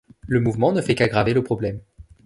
Le mouvement ne fait qu'aggraver le problème.